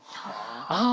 ああ！